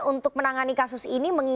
untuk menangani kasus ini